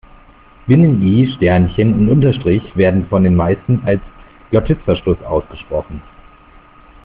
Binnen-I, Sternchen und Unterstrich werden von den meisten als Glottisverschluss ausgesprochen.